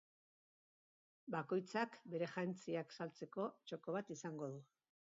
Bakoitzak, bere jantziak saltzeko txoko bat izango du.